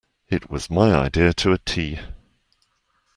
It was my idea to a tee.